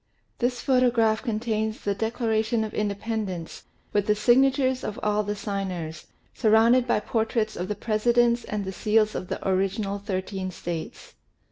This photograph contains the Declaration of Independence with the signatures of all the signers, surrounded by portraits of the Presidents and the seals of the original thirteen States.